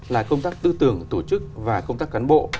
là công tác tư tưởng tổ chức và công tác cán bộ